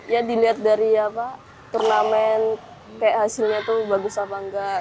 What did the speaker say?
ya dilihat dari turnamen kayak hasilnya tuh bagus apa enggak